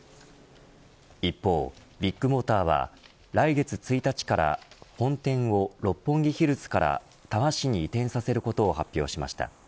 一方、ビッグモーターは来月１日から本店を、六本木ヒルズから多摩市に移転させることを発表しました。